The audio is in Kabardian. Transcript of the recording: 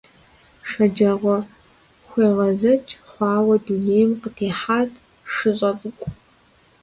ШэджагъуэхуегъэзэкӀ хъуауэ дунейм къытехьат шыщӀэ цӀыкӀу.